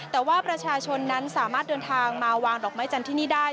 แต่ว่าประชาชนนั้นสามารถเดินทางมาวางดอกไม้จันทร์ที่นี่ได้